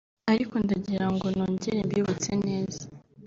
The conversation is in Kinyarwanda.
ariko ndangira ngo nongere mbibutse neza